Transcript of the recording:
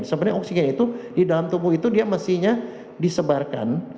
sebenarnya oksigen itu di dalam tubuh itu dia mestinya disebarkan